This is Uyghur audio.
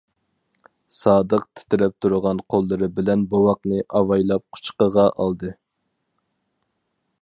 سادىق تىترەپ تۇرغان قوللىرى بىلەن بوۋاقنى ئاۋايلاپ قۇچىقىغا ئالدى.